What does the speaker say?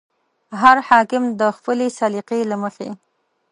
هر حاکم د خپلې سلیقې له مخې.